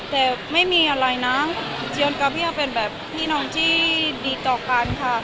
แต่ไม่มีอะไรนะเจียนกับเบี้ยเป็นแบบพี่น้องที่ดีต่อกันค่ะ